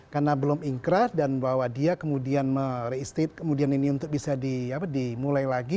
karena belum inkrah dan bahwa dia kemudian merestate kemudian ini untuk bisa di apa dimulai lagi